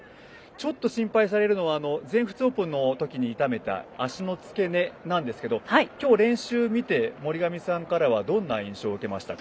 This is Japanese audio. ちょっと心配されるのは全仏オープンのときに痛めた足の付け根なんですけど今日、練習を見て森上さんからはどんな印象を受けましたか？